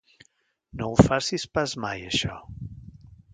No ho facis pas mai, això!